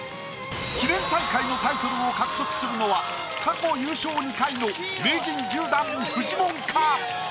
記念大会のタイトルを獲得するのは過去優勝２回の名人１０段フジモンか？